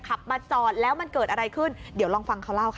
ขับมาจอดแล้วมันเกิดอะไรขึ้นเดี๋ยวลองฟังเขาเล่าค่ะ